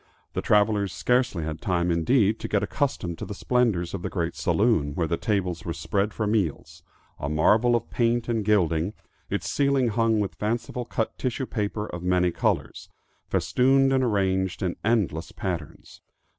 The travelers scarcely had time indeed to get accustomed to the splendors of the great saloon where the tables were spread for meals, a marvel of paint and gilding, its ceiling hung with fancifully cut tissue paper of many colors, festooned and arranged in endless patterns.